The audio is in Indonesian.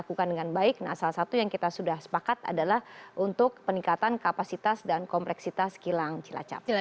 lakukan dengan baik nah salah satu yang kita sudah sepakat adalah untuk peningkatan kapasitas dan kompleksitas kilang cilacap